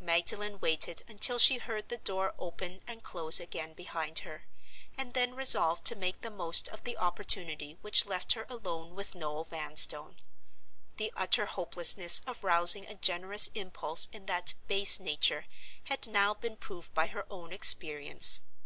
Magdalen waited until she heard the door open and close again behind her, and then resolved to make the most of the opportunity which left her alone with Noel Vanstone. The utter hopelessness of rousing a generous impulse in that base nature had now been proved by her own experience.